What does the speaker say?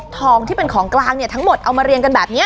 จนกระทั่งพบทองที่เป็นของกลางเนี่ยทั้งหมดเอามาเรียนกันแบบเนี้ย